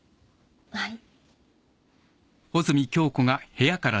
はい。